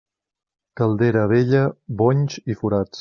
Caldera vella, bonys i forats.